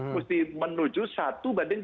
mesti menuju satu banding tiga puluh